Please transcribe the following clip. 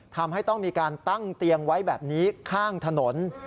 ทำให้ต้องมีการตั้งเตียงไว้แบบนี้ข้างถนน